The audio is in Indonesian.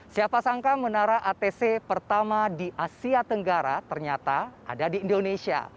siapa sangka menara atc pertama di asia tenggara ternyata ada di indonesia